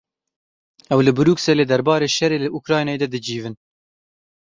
Ew li Brukselê derbarê şerê li Ukrayna de dicivin.